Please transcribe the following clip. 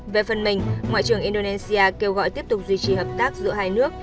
về phần mình ngoại trưởng indonesia kêu gọi tiếp tục duy trì hợp tác giữa hai nước